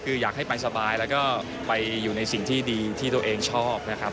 คืออยากให้ไปสบายแล้วก็ไปอยู่ในสิ่งที่ดีที่ตัวเองชอบนะครับ